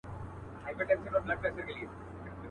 د ریا کارو زاهدانو ټولۍ.